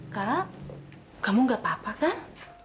karena kamu gak apa apa kan